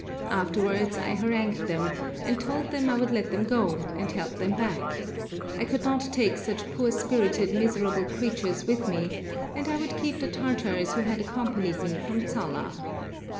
Afterwards I harangued them, and told them I would let them go, and help them back; I could not take such poor spirited miserable creatures with me, and I would keep the Tartars who had accompanied me from Tsala.